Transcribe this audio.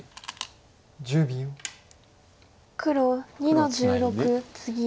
黒２の十六ツギ。